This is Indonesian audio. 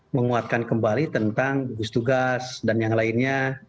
menguatkan kembali tentang gugus tugas dan yang lainnya